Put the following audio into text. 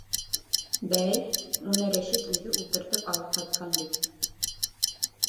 — Бәй, уны Рәшит үҙе ултыртып алып ҡайтҡан бит.